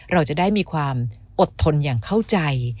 เราจะได้มีความอดทนอย่างเข้าใจ